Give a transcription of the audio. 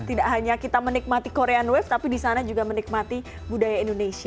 tidak hanya kita menikmati korean wave tapi di sana juga menikmati budaya indonesia